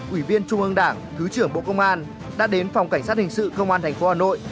ủy viên trung ương đảng thứ trưởng bộ công an đã đến phòng cảnh sát hình sự công an tp hà nội